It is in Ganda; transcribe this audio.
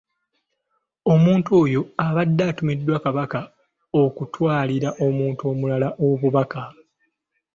Omuntu oyo aba atumiddwa Kabaka okutwalira omuntu omulala obubaka.